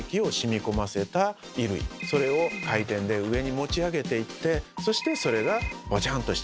それを回転で上に持ち上げていってそしてそれがボチャンと下に落ちる。